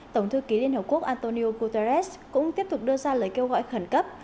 tổng thư ký liên hợp quốc antonio guterres cũng tiếp tục đưa ra lời kêu gọi khẩn cấp